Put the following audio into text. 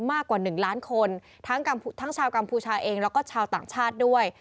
มากกว่า๑ล้านคนทั้งชาวกัมพูชาเองแล้วก็ชาวต่างชาติด้วย